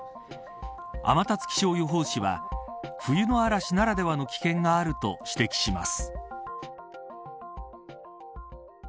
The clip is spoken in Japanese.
天達気象予報士は冬の嵐ならではの危険があると指摘します。